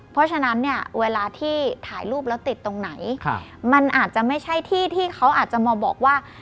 เพราะฉะนั้นเนี่ยเวลาที่ถ่ายรูปแล้วติดตรงไหนมันอาจจะไม่ใช่ที่ที่เขาอาจจะมาบอกว่า